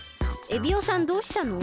エビオさんどうしたの？